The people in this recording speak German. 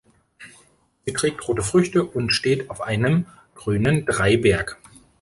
Sie trägt rote Früchte und steht auf einem grünen Dreiberg.